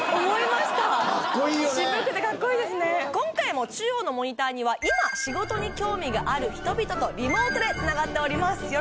今回も中央のモニターには今仕事に興味がある人々とリモートでつながっております。